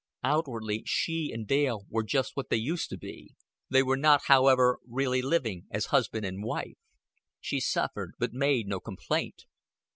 Outwardly she and Dale were just what they used to be. They were not, however, really living as husband and wife. She suffered, but made no complaint.